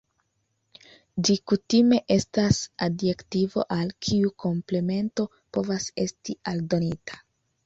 Ĝi kutime estas adjektivo al kiu komplemento povas esti aldonita.